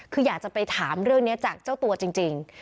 คืออยากจะไปถามเรื่องนี้จากเจ้าตัวจริง